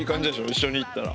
一緒にいったら。